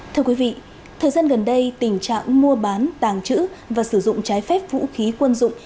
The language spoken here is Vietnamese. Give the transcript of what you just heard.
thưa quý vị thời gian gần đây tình trạng mua bán tàng trữ và sử dụng trái phép vũ khí quân dụng